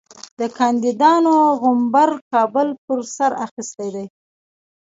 د کاندیدانو غومبر کابل پر سر اخیستی دی.